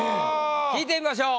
聞いてみましょう。